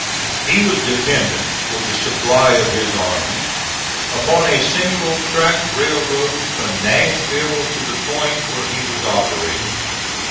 He was dependent for the supply of his armies upon a single track railroad from Nashville to the point where he was operating.